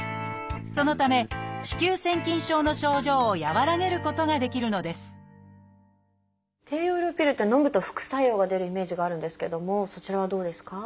そのため子宮腺筋症の症状を和らげることができるのです低用量ピルってのむと副作用が出るイメージがあるんですけどもそちらはどうですか？